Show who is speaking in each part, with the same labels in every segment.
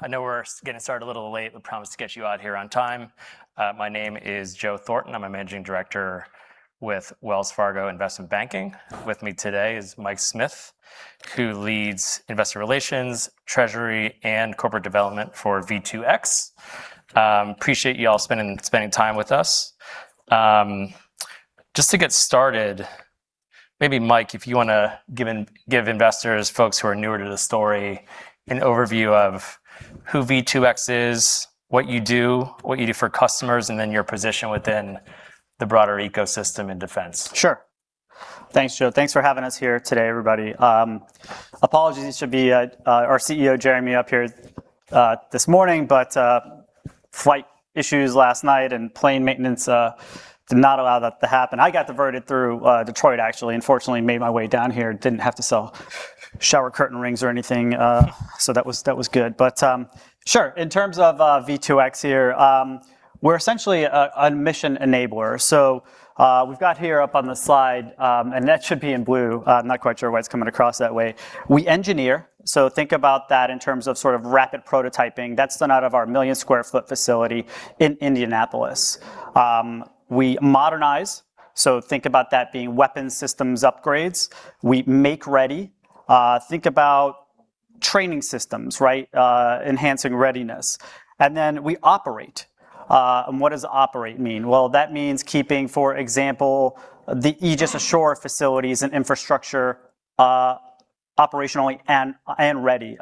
Speaker 1: I know we are getting started a little late. Promise to get you out of here on time. My name is Joe Thornton. I am a Managing Director with Wells Fargo Investment Banking. With me today is Mike Smith, who leads investor relations, treasury, and corporate development for V2X. Appreciate you all spending time with us. Just to get started, maybe Mike, if you want to give investors, folks who are newer to the story, an overview of who V2X is, what you do, what you do for customers, and then your position within the broader ecosystem in defense.
Speaker 2: Sure. Thanks, Joe. Thanks for having us here today, everybody. Apologies, it should be our CEO, Jeremy, up here this morning. Flight issues last night and plane maintenance did not allow that to happen. I got diverted through Detroit, actually, and fortunately made my way down here. Didn't have to sell shower curtain rings or anything, so that was good. Sure, in terms of V2X here, we are essentially a mission enabler. We have got here up on the slide, and that should be in blue. I am not quite sure why it is coming across that way. We engineer, so think about that in terms of sort of rapid prototyping. That is done out of our million-square-foot facility in Indianapolis. We modernize, so think about that being weapon systems upgrades. We make ready. Think about training systems, enhancing readiness. We operate. What does operate mean? Well, that means keeping, for example, the Aegis Ashore facilities and infrastructure operationally and ready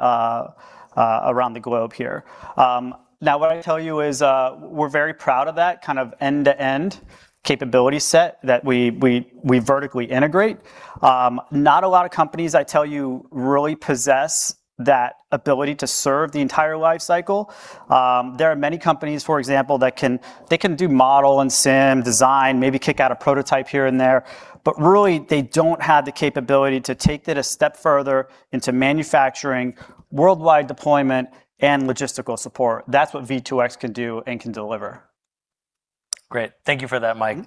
Speaker 2: around the globe here. Now, what I tell you is we are very proud of that kind of end-to-end capability set that we vertically integrate. Not a lot of companies, I tell you, really possess that ability to serve the entire life cycle. There are many companies, for example, that can do model and SIM design, maybe kick out a prototype here and there, but really, they do not have the capability to take that a step further into manufacturing, worldwide deployment, and logistical support. That is what V2X can do and can deliver.
Speaker 1: Great. Thank you for that, Mike.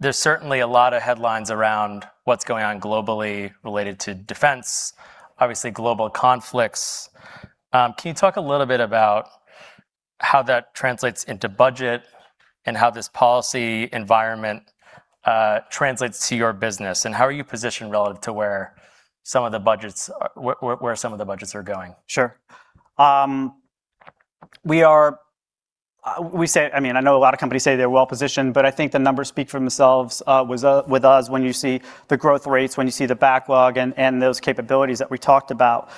Speaker 1: There's certainly a lot of headlines around what's going on globally related to defense, obviously global conflicts. Can you talk a little bit about how that translates into budget and how this policy environment translates to your business, and how are you positioned relative to where some of the budgets are going?
Speaker 2: Sure. I know a lot of companies say they're well-positioned, but I think the numbers speak for themselves with us when you see the growth rates, when you see the backlog and those capabilities that we talked about.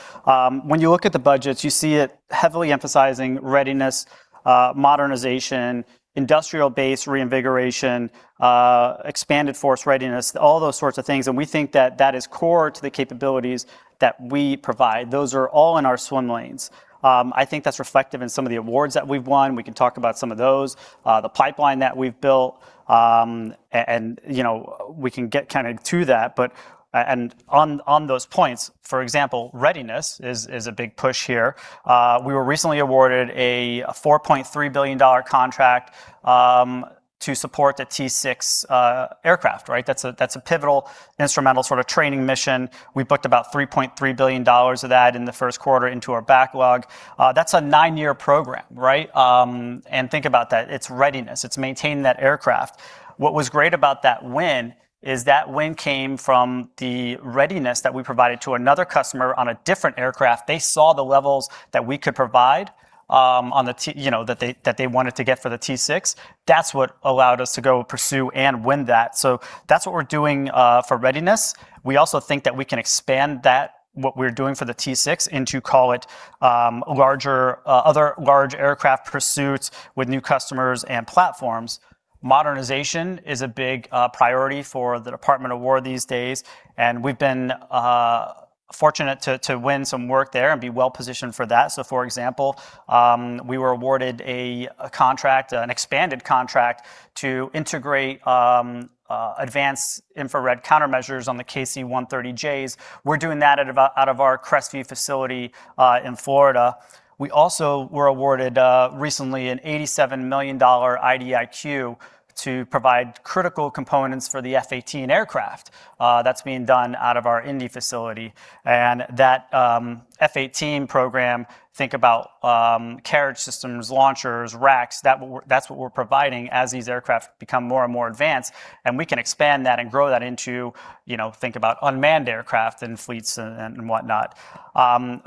Speaker 2: When you look at the budgets, you see it heavily emphasizing readiness, modernization, industrial base reinvigoration, expanded force readiness, all those sorts of things, and we think that that is core to the capabilities that we provide. Those are all in our swim lanes. I think that's reflective in some of the awards that we've won. We can talk about some of those, the pipeline that we've built, and we can get kind of to that. On those points, for example, readiness is a big push here. We were recently awarded a $4.3 billion contract to support the T-6 aircraft. That's a pivotal instrumental sort of training mission. We booked about $3.3 billion of that in the first quarter into our backlog. That's a nine-year program. Think about that. It's readiness. It's maintaining that aircraft. What was great about that win is that win came from the readiness that we provided to another customer on a different aircraft. They saw the levels that we could provide that they wanted to get for the T-6. That's what allowed us to go pursue and win that. That's what we're doing for readiness. We also think that we can expand what we're doing for the T-6 into, call it, other large aircraft pursuits with new customers and platforms. Modernization is a big priority for the Department of War these days, and we've been fortunate to win some work there and be well positioned for that. For example, we were awarded an expanded contract to integrate advanced infrared countermeasures on the KC-130Js. We're doing that out of our Crestview facility in Florida. We also were awarded recently an $87 million IDIQ to provide critical components for the F-18 aircraft. That's being done out of our Indy facility. That F-18 program, think about carriage systems, launchers, racks. That's what we're providing as these aircraft become more and more advanced, and we can expand that and grow that into, think about unmanned aircraft and fleets and whatnot.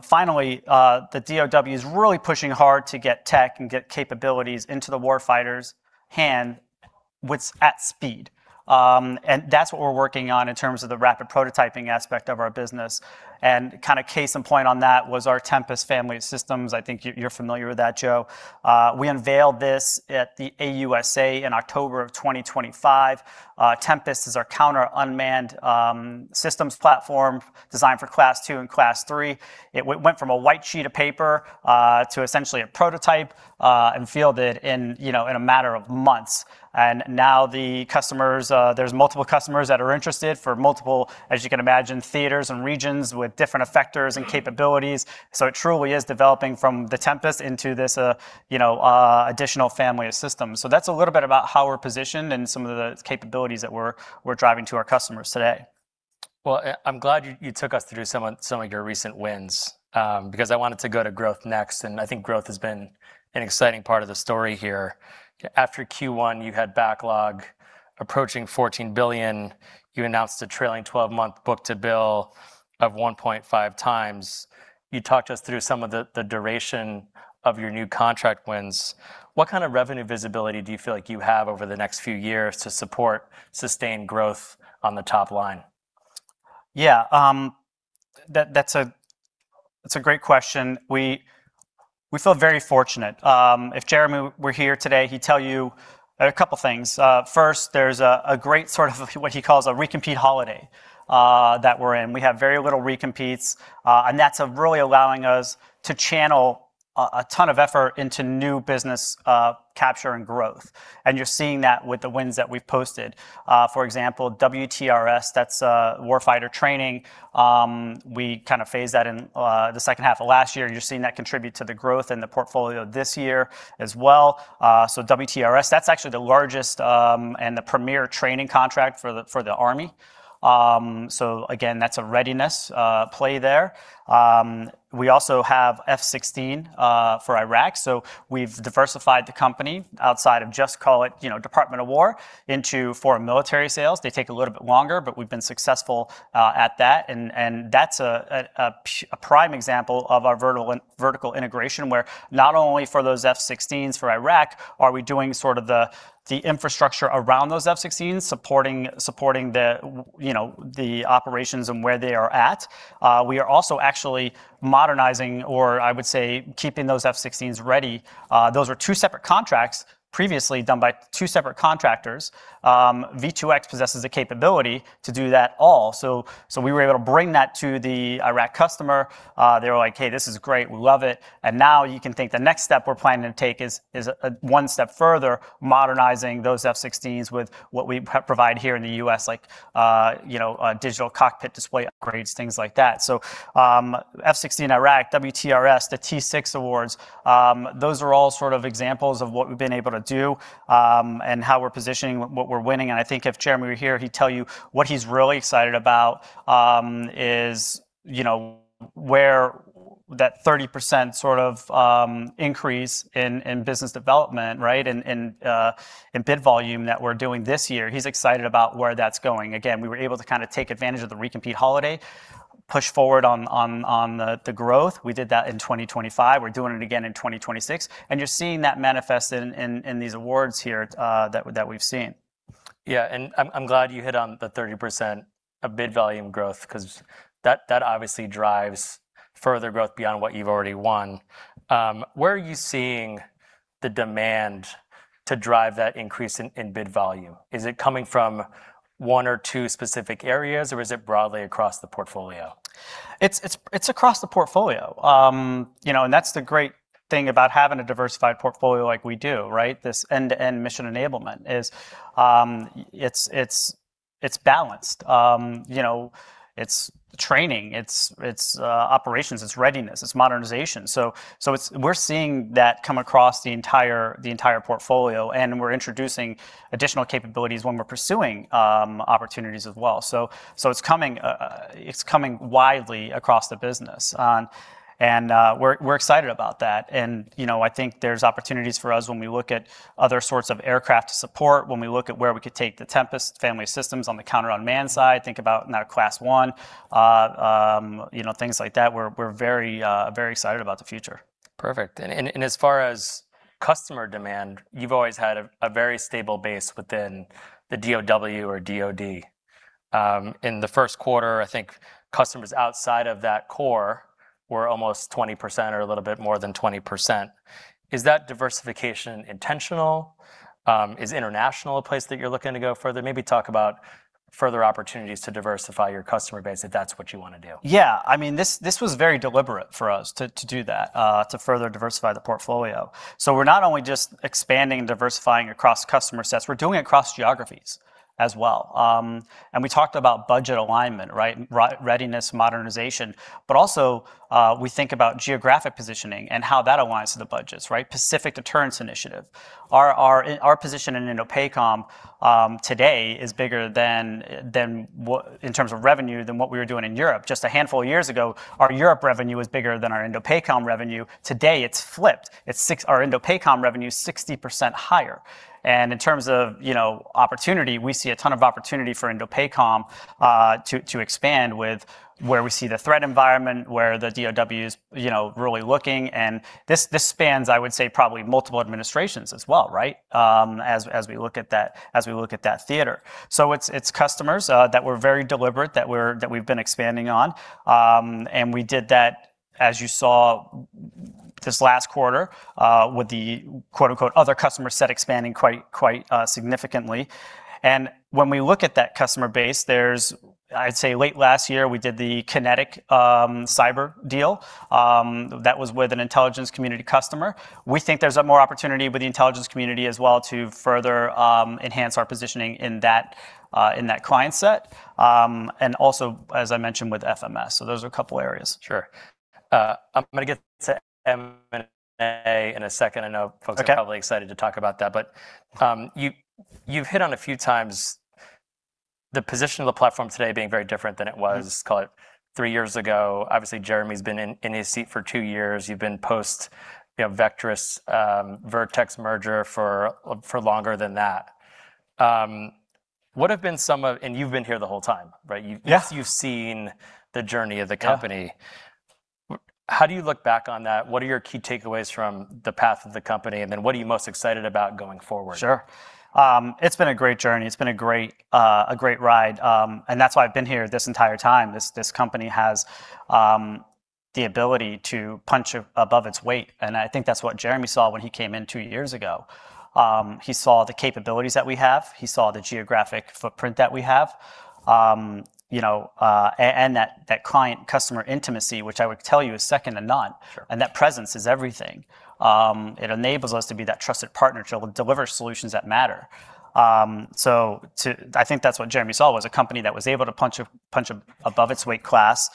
Speaker 2: Finally, the DOD is really pushing hard to get tech and get capabilities into the warfighter's hand at speed. Kind of case in point on that was our Tempest family of systems. I think you're familiar with that, Joe. We unveiled this at the AUSA in October of 2025. Tempest is our counter unmanned systems platform designed for Class 2 and Class 3. It went from a white sheet of paper to essentially a prototype, and fielded in a matter of months. Now there's multiple customers that are interested for multiple, as you can imagine, theaters and regions with different effectors and capabilities. It truly is developing from the Tempest into this additional family of systems. That's a little bit about how we're positioned and some of the capabilities that we're driving to our customers today.
Speaker 1: Well, I'm glad you took us through some of your recent wins, because I wanted to go to growth next, and I think growth has been an exciting part of the story here. After Q1, you had backlog approaching $14 billion. You announced a trailing 12-month book-to-bill of 1.5x. You talked us through some of the duration of your new contract wins. What kind of revenue visibility do you feel like you have over the next few years to support sustained growth on the top line?
Speaker 2: Yeah. That's a great question. We feel very fortunate. If Jeremy were here today, he'd tell you a couple things. First, there's a great sort of what he calls a recompete holiday that we're in. We have very little recompetes, and that's really allowing us to channel a ton of effort into new business capture and growth, and you're seeing that with the wins that we've posted. For example, WTRS, that's Warfighter Training. We kind of phased that in the second half of last year. You're seeing that contribute to the growth in the portfolio this year as well. WTRS, that's actually the largest and the premier training contract for the Army. Again, that's a readiness play there. We also have F-16 for Iraq, so we've diversified the company outside of just call it Department of War into foreign military sales. They take a little bit longer, we've been successful at that, and that's a prime example of our vertical integration, where not only for those F-16s for Iraq are we doing sort of the infrastructure around those F-16s, supporting the operations and where they are at. We are also actually modernizing, or I would say, keeping those F-16s ready. Those were two separate contracts previously done by two separate contractors. V2X possesses the capability to do that all. We were able to bring that to the Iraq customer. They were like, "Hey, this is great. We love it." Now you can think the next step we're planning to take is one step further, modernizing those F-16s with what we provide here in the U.S., like digital cockpit display upgrades, things like that. F-16 Iraq, WTRS, the T-6 awards, those are all sort of examples of what we've been able to do, and how we're positioning what we're winning. I think if Jeremy were here, he'd tell you what he's really excited about is where that 30% sort of increase in business development, right, in bid volume that we're doing this year. He's excited about where that's going. We were able to kind of take advantage of the recompete holiday, push forward on the growth. We did that in 2025. We're doing it again in 2026, and you're seeing that manifest in these awards here that we've seen.
Speaker 1: I'm glad you hit on the 30% of bid volume growth, because that obviously drives further growth beyond what you've already won. Where are you seeing the demand to drive that increase in bid volume? Is it coming from one or two specific areas, or is it broadly across the portfolio?
Speaker 2: It's across the portfolio. That's the great thing about having a diversified portfolio like we do, right? This end-to-end mission enablement is, it's balanced. It's training, it's operations, it's readiness, it's modernization. We're seeing that come across the entire portfolio, and we're introducing additional capabilities when we're pursuing opportunities as well. It's coming widely across the business, and we're excited about that. I think there's opportunities for us when we look at other sorts of aircraft support, when we look at where we could take the Tempest family of systems on the Counter-UAS side, think about now Class 1, things like that. We're very excited about the future.
Speaker 1: Perfect. As far as customer demand, you've always had a very stable base within the DOD. In the first quarter, I think customers outside of that core were almost 20% or a little bit more than 20%. Is that diversification intentional? Is international a place that you're looking to go further? Maybe talk about further opportunities to diversify your customer base, if that's what you want to do.
Speaker 2: Yeah. This was very deliberate for us to do that, to further diversify the portfolio. We're not only just expanding and diversifying across customer sets, we're doing it across geographies as well. We talked about budget alignment, right? Readiness, modernization, but also, we think about geographic positioning and how that aligns to the budgets, right? Pacific Deterrence Initiative. Our position in INDOPACOM today is bigger in terms of revenue than what we were doing in Europe. Just a handful of years ago, our Europe revenue was bigger than our INDOPACOM revenue. Today, it's flipped. Our INDOPACOM revenue is 60% higher. In terms of opportunity, we see a ton of opportunity for INDOPACOM to expand with where we see the threat environment, where the DOD is really looking, and this spans, I would say, probably multiple administrations as well, right? As we look at that theater. It's customers that we're very deliberate, that we've been expanding on. We did that, as you saw this last quarter, with the quote unquote other customer set expanding quite significantly. When we look at that customer base, I'd say late last year, we did the kinetic cyber deal. That was with an intelligence community customer. We think there's more opportunity with the intelligence community as well to further enhance our positioning in that client set. Also, as I mentioned with FMS. Those are a couple areas.
Speaker 1: Sure. I'm going to get to M&A in a second. I know folks-
Speaker 2: Okay
Speaker 1: Are probably excited to talk about that. You've hit on a few times the position of the platform today being very different than it was-call it three years ago. Obviously Jeremy's been in his seat for two years. You've been post Vectrus Vertex merger for longer than that. You've been here the whole time, right?
Speaker 2: Yeah.
Speaker 1: You've seen the journey of the company.
Speaker 2: Yeah.
Speaker 1: How do you look back on that? What are your key takeaways from the path of the company, what are you most excited about going forward?
Speaker 2: Sure. It's been a great journey. It's been a great ride. That's why I've been here this entire time. This company has the ability to punch above its weight, I think that's what Jeremy saw when he came in two years ago. He saw the capabilities that we have, he saw the geographic footprint that we have. That client customer intimacy, which I would tell you is second to none.
Speaker 1: Sure.
Speaker 2: That presence is everything. It enables us to be that trusted partner to deliver solutions that matter. I think that's what Jeremy saw, was a company that was able to punch above its weight class.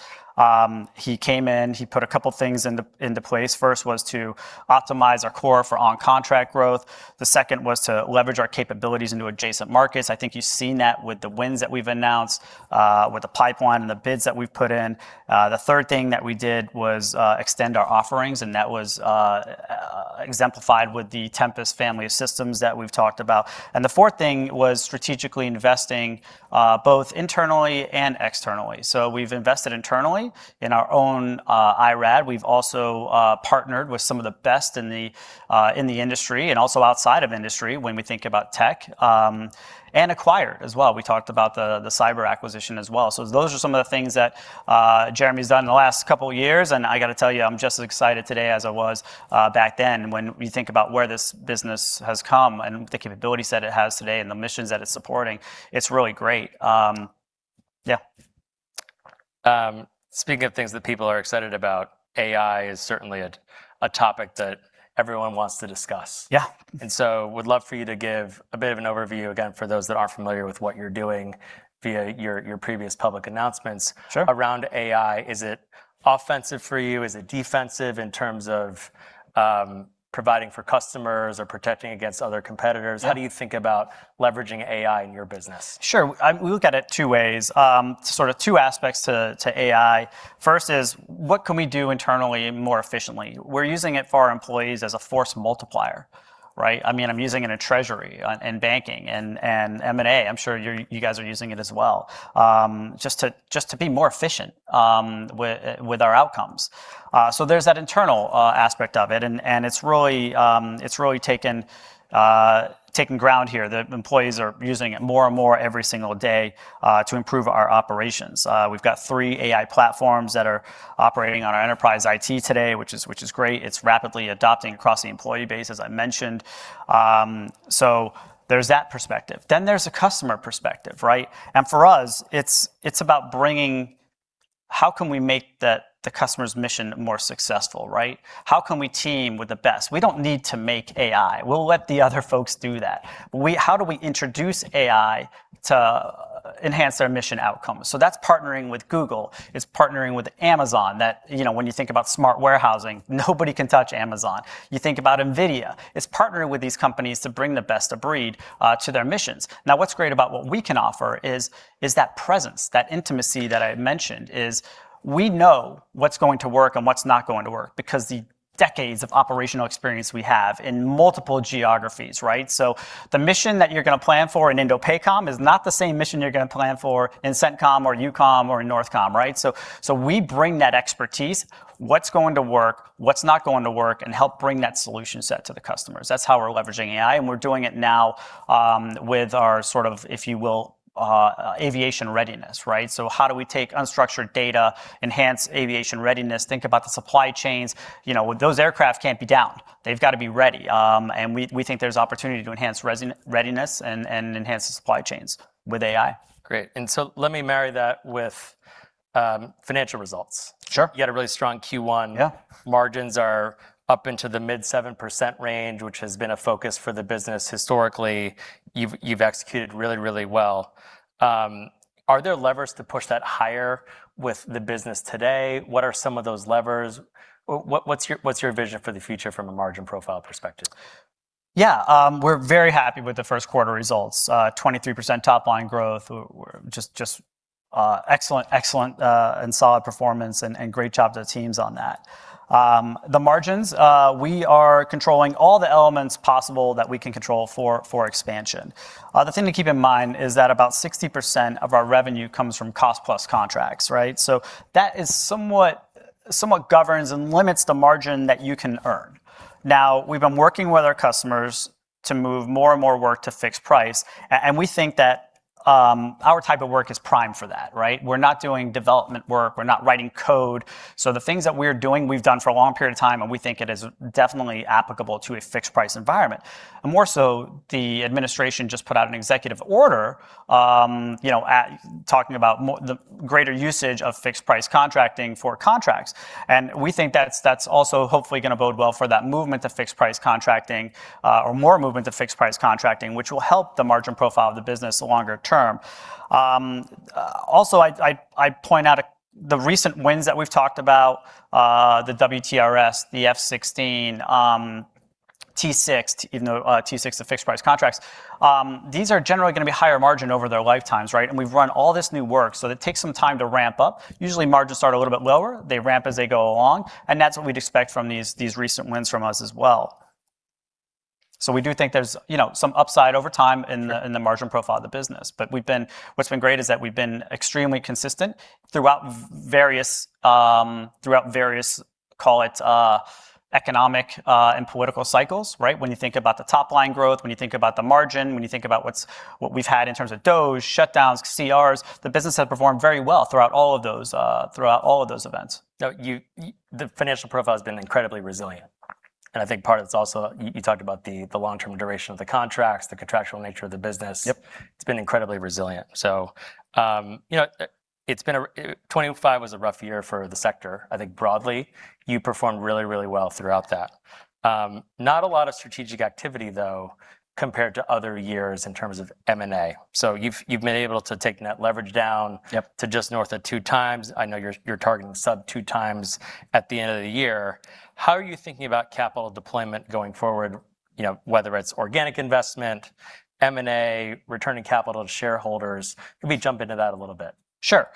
Speaker 2: He came in, he put a couple of things into place. First was to optimize our core for on-contract growth. The second was to leverage our capabilities into adjacent markets. I think you've seen that with the wins that we've announced, with the pipeline and the bids that we've put in. The third thing that we did was extend our offerings, and that was exemplified with the Tempest family of systems that we've talked about. The fourth thing was strategically investing, both internally and externally. We've invested internally in our own IRAD. We've also partnered with some of the best in the industry and also outside of industry when we think about tech, and acquired as well. We talked about the cyber acquisition as well. Those are some of the things that Jeremy's done in the last couple of years, and I've got to tell you, I'm just as excited today as I was back then. When we think about where this business has come and the capability set it has today and the missions that it's supporting, it's really great. Yeah.
Speaker 1: Speaking of things that people are excited about, AI is certainly a topic that everyone wants to discuss.
Speaker 2: Yeah.
Speaker 1: Would love for you to give a bit of an overview, again, for those that aren't familiar with what you're doing via your previous public announcements.
Speaker 2: Sure
Speaker 1: around AI. Is it offensive for you? Is it defensive in terms of providing for customers or protecting against other competitors?
Speaker 2: Yeah.
Speaker 1: How do you think about leveraging AI in your business?
Speaker 2: Sure. We look at it two ways, sort of two aspects to AI. First is what can we do internally more efficiently? We're using it for our employees as a force multiplier, right? I'm using it in treasury, in banking, and M&A. I'm sure you guys are using it as well, just to be more efficient with our outcomes. There's that internal aspect of it, and it's really taken ground here. The employees are using it more and more every single day to improve our operations. We've got three AI platforms that are operating on our enterprise IT today, which is great. It's rapidly adopting across the employee base, as I mentioned. There's that perspective. There's the customer perspective, right? For us, it's about bringing how can we make the customer's mission more successful, right? How can we team with the best? We don't need to make AI. We'll let the other folks do that. How do we introduce AI to enhance their mission outcomes? That's partnering with Google. It's partnering with Amazon that, when you think about smart warehousing, nobody can touch Amazon. You think about NVIDIA. It's partnering with these companies to bring the best of breed to their missions. What's great about what we can offer is that presence, that intimacy that I mentioned, is we know what's going to work and what's not going to work because the decades of operational experience we have in multiple geographies, right? The mission that you're going to plan for in INDOPACOM is not the same mission you're going to plan for in CENTCOM or EUCOM or in USNORTHCOM, right? We bring that expertise, what's going to work, what's not going to work, and help bring that solution set to the customers. That's how we're leveraging AI. We're doing it now with our, if you will, aviation readiness, right? How do we take unstructured data, enhance aviation readiness, think about the supply chains? Those aircraft can't be down. They've got to be ready. We think there's opportunity to enhance readiness and enhance the supply chains with AI.
Speaker 1: Great. Let me marry that with financial results.
Speaker 2: Sure.
Speaker 1: You had a really strong Q1.
Speaker 2: Yeah.
Speaker 1: Margins are up into the mid 7% range, which has been a focus for the business historically. You've executed really, really well. Are there levers to push that higher with the business today? What are some of those levers? What's your vision for the future from a margin profile perspective?
Speaker 2: Yeah. We are very happy with the first quarter results. 23% top-line growth. Just excellent and solid performance, great job to the teams on that. The margins, we are controlling all the elements possible that we can control for expansion. The thing to keep in mind is that about 60% of our revenue comes from cost-plus contracts, right? That somewhat governs and limits the margin that you can earn. We have been working with our customers to move more and more work to fixed-price, and we think that our type of work is prime for that, right? We are not doing development work, we are not writing code. The things that we are doing, we have done for a long period of time, and we think it is definitely applicable to a fixed-price environment. More so, the administration just put out an executive order talking about the greater usage of fixed-price contracting for contracts. We think that is also hopefully going to bode well for that movement to fixed-price contracting, or more movement to fixed-price contracting, which will help the margin profile of the business longer term. I would point out the recent wins that we have talked about, the WTRS, the F-16 T-6, even though T-6 are fixed-price contracts. These are generally going to be higher margin over their lifetimes. We have run all this new work, it takes some time to ramp up. Usually, margins start a little bit lower. They ramp as they go along, and that is what we would expect from these recent wins from us as well. We do think there is some upside over time in the margin profile of the business. What has been great is that we have been extremely consistent throughout various, call it, economic and political cycles. When you think about the top-line growth, when you think about the margin, when you think about what we have had in terms of DOGE, shutdowns, CRs, the business has performed very well throughout all of those events.
Speaker 1: The financial profile has been incredibly resilient, I think part of it is also, you talked about the long-term duration of the contracts, the contractual nature of the business.
Speaker 2: Yep.
Speaker 1: It's been incredibly resilient. 2025 was a rough year for the sector. I think broadly, you performed really well throughout that. Not a lot of strategic activity, though, compared to other years in terms of M&A. You've been able to take net leverage down-
Speaker 2: Yep
Speaker 1: to just north of two times. I know you're targeting sub two times at the end of the year. How are you thinking about capital deployment going forward? Whether it's organic investment, M&A, returning capital to shareholders. Can we jump into that a little bit?
Speaker 2: Sure.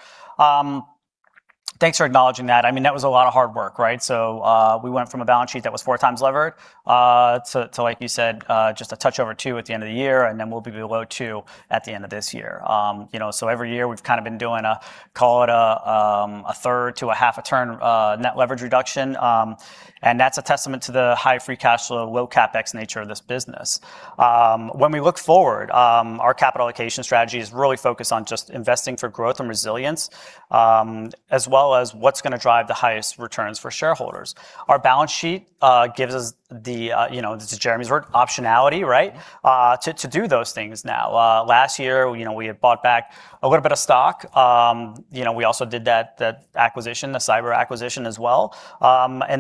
Speaker 2: Thanks for acknowledging that. That was a lot of hard work. We went from a balance sheet that was four times levered, to like you said, just a touch over two at the end of the year, and then we'll be below two at the end of this year. Every year we've been doing a, call it, a third to a half a turn net leverage reduction. That's a testament to the high free cash flow, low CapEx nature of this business. When we look forward, our capital allocation strategy is really focused on just investing for growth and resilience, as well as what's going to drive the highest returns for shareholders. Our balance sheet gives us the, this is Jeremy's word, optionality to do those things now. Last year, we had bought back a little bit of stock. We also did that acquisition, the cyber acquisition as well.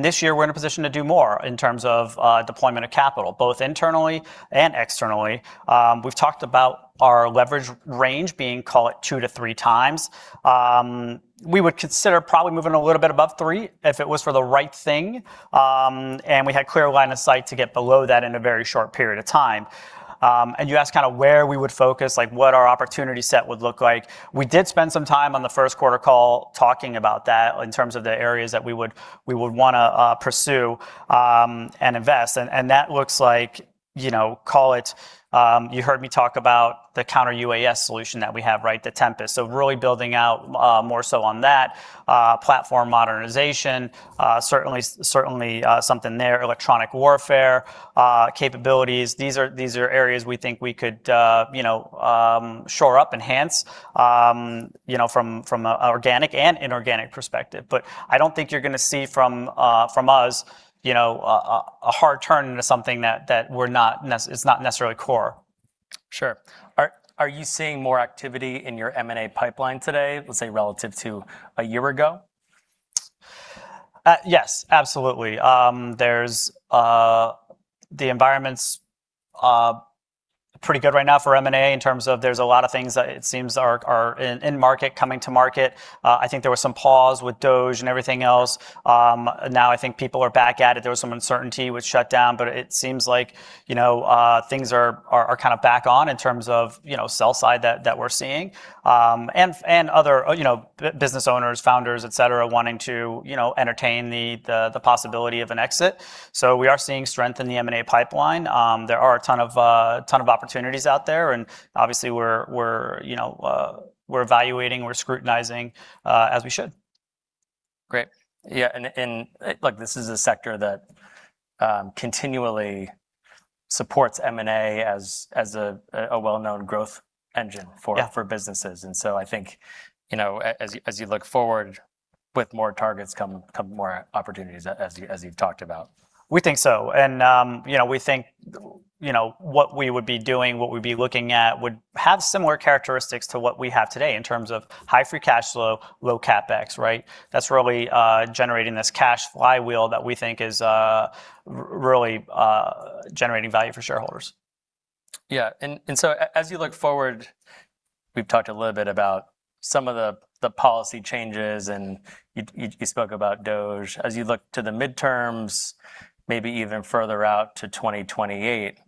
Speaker 2: This year we're in a position to do more in terms of deployment of capital, both internally and externally. We've talked about our leverage range being, call it, two to three times. We would consider probably moving a little bit above three if it was for the right thing, and we had clear line of sight to get below that in a very short period of time. You asked where we would focus, what our opportunity set would look like. We did spend some time on the first quarter call talking about that in terms of the areas that we would want to pursue and invest, and that looks like, you heard me talk about the Counter-UAS solution that we have. The Tempest. Really building out more so on that Platform modernization, certainly something there. Electronic warfare capabilities. These are areas we think we could shore up, enhance, from an organic and inorganic perspective. I don't think you're going to see from us a hard turn into something that we're not, it's not necessarily core.
Speaker 1: Sure. Are you seeing more activity in your M&A pipeline today, let's say, relative to a year ago?
Speaker 2: Yes, absolutely. The environment's pretty good right now for M&A in terms of there's a lot of things that it seems are in market, coming to market. I think there was some pause with DOGE and everything else. I think people are back at it. There was some uncertainty with shutdown, but it seems like things are back on in terms of sell side that we're seeing. Other business owners, founders, et cetera, wanting to entertain the possibility of an exit. We are seeing strength in the M&A pipeline. There are a ton of opportunities out there, and obviously we're evaluating, we're scrutinizing as we should.
Speaker 1: Great. Yeah, look, this is a sector that continually supports M&A as a well-known growth engine.
Speaker 2: Yeah
Speaker 1: businesses. I think as you look forward, with more targets come more opportunities, as you've talked about.
Speaker 2: We think so. We think what we would be doing, what we'd be looking at, would have similar characteristics to what we have today in terms of high free cash flow, low CapEx. That's really generating this cash flywheel that we think is really generating value for shareholders.
Speaker 1: Yeah. As you look forward, we've talked a little bit about some of the policy changes, and you spoke about DOGE. As you look to the midterms, maybe even further out to 2028,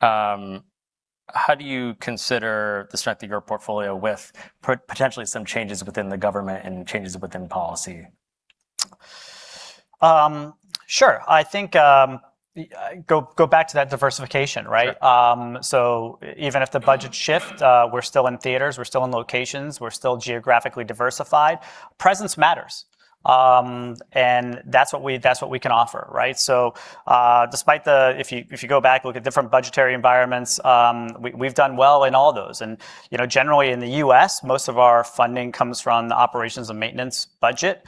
Speaker 1: how do you consider the strength of your portfolio with potentially some changes within the government and changes within policy?
Speaker 2: Sure. I think, go back to that diversification.
Speaker 1: Sure.
Speaker 2: Even if the budgets shift, we're still in theaters, we're still in locations, we're still geographically diversified. Presence matters. That's what we can offer. If you go back, look at different budgetary environments, we've done well in all of those. Generally in the U.S., most of our funding comes from the operations and maintenance budget,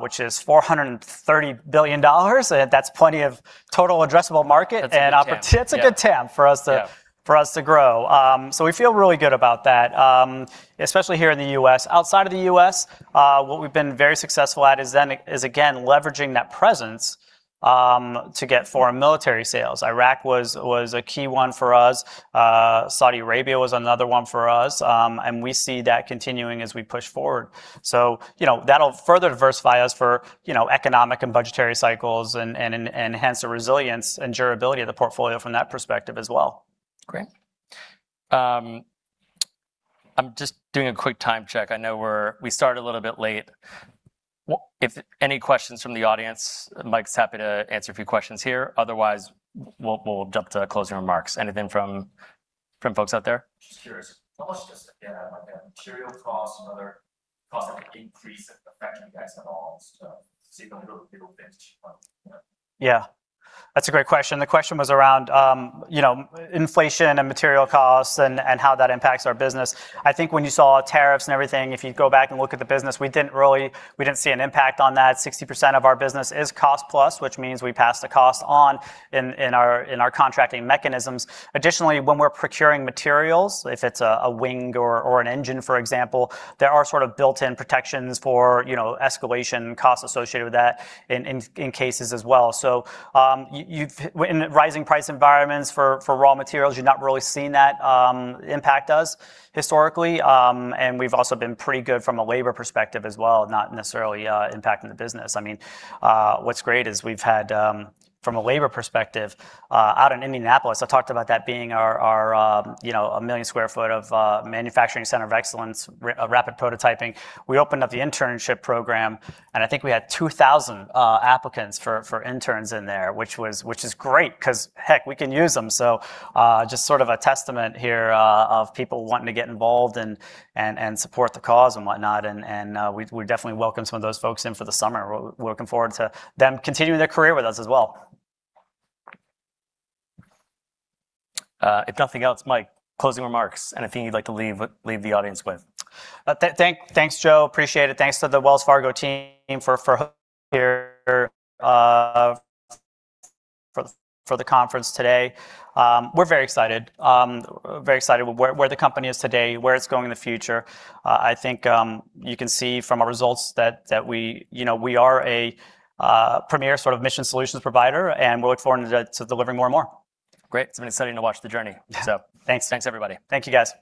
Speaker 2: which is $430 billion. That's plenty of total addressable market and opportunity.
Speaker 1: That's a good TAM. Yeah.
Speaker 2: It's a good TAM for us to-
Speaker 1: Yeah
Speaker 2: grow. We feel really good about that, especially here in the U.S. Outside of the U.S., what we've been very successful at is again, leveraging that presence to get foreign military sales. Iraq was a key one for us. Saudi Arabia was another one for us. We see that continuing as we push forward. That'll further diversify us for economic and budgetary cycles and enhance the resilience and durability of the portfolio from that perspective as well.
Speaker 1: Great. I'm just doing a quick time check. I know we started a little bit late. If any questions from the audience, Mike's happy to answer a few questions here. Otherwise, we'll jump to closing remarks. Anything from folks out there?
Speaker 3: Just curious, how much does, again, material costs and other costs increase affecting you guys at all?
Speaker 2: Yeah, that's a great question. The question was around inflation and material costs and how that impacts our business. I think when you saw tariffs and everything, if you go back and look at the business, we didn't see an impact on that. 60% of our business is cost-plus, which means we pass the cost on in our contracting mechanisms. Additionally, when we're procuring materials, if it's a wing or an engine, for example, there are sort of built-in protections for escalation, costs associated with that in cases as well. In rising price environments for raw materials, you're not really seeing that impact us historically. We've also been pretty good from a labor perspective as well, not necessarily impacting the business. What's great is we've had, from a labor perspective, out in Indianapolis, I talked about that being our 1 million square foot of manufacturing center of excellence, rapid prototyping. We opened up the internship program, and I think we had 2,000 applicants for interns in there, which is great because, heck, we can use them, just sort of a testament here of people wanting to get involved and support the cause and whatnot. We definitely welcome some of those folks in for the summer. We're looking forward to them continuing their career with us as well.
Speaker 1: If nothing else, Mike, closing remarks. Anything you'd like to leave the audience with?
Speaker 2: Thanks, Joe. Appreciate it. Thanks to the Wells Fargo team for hosting here for the conference today. We're very excited. Very excited with where the company is today, where it's going in the future. I think you can see from our results that we are a premier mission solutions provider, and we look forward to delivering more and more.
Speaker 1: Great. It's been exciting to watch the journey. Thanks.
Speaker 2: Thanks, everybody. Thank you guys.